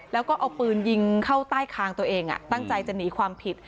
แล้วก็เอาปืนยิงเข้าใต้คางตัวเองตั้งใจจะหนีความผิด